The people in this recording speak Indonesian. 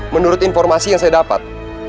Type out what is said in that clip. menurut informasi yang saya dapat